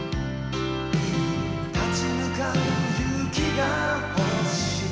「立ち向かう勇気が欲しい」